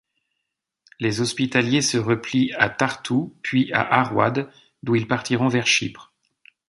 Les Hospitaliers se replient à Tartous puis à Arouad d'où il partiront vers Chypre.